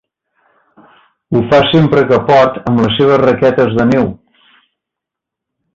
Ho fa sempre que pot, amb les seves raquetes de neu.